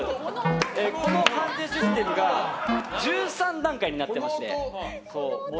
この判定システムが１３段階になっていまして。